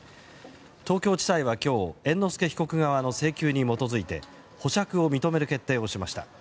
東京地裁は今日、猿之助被告側の請求に基づいて保釈を認める決定をしました。